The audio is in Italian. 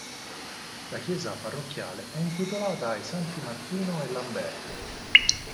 La chiesa parrocchiale è intitolata ai Santi Martino e Lamberto.